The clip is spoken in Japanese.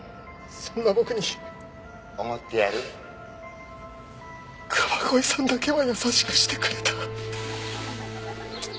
そんな僕に川越さんだけは優しくしてくれた。